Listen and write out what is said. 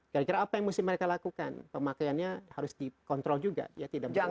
kira kira apa yang mesti mereka lakukan pemakaiannya harus dikontrol juga ya tidak mungkin